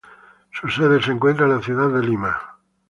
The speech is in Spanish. Su sede se encuentra en la ciudad de Lima.